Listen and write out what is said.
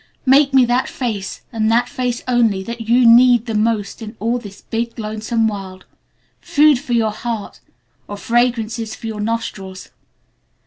Make me that face, and that face only, that you need the most in all this big, lonesome world: food for your heart, or fragrance for your nostrils.